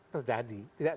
di luar jakarta terjadi